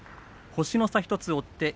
星の差１つ追っています。